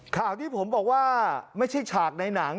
ข่าวที่ผมบอกว่าไม่ใช่ฉากในหนัง